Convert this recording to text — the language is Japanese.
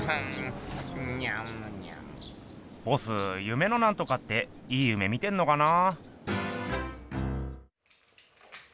夢のなんとかっていい夢見てんのかな？